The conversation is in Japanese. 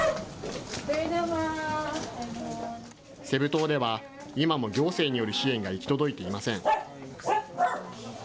セブ島では、今も行政による支援が行き届いていません。